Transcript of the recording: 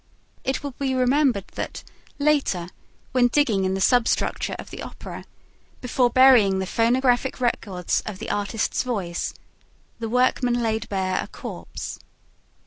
It will be remembered that, later, when digging in the substructure of the Opera, before burying the phonographic records of the artist's voice, the workmen laid bare a corpse.